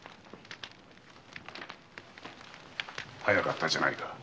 早かったじゃないか。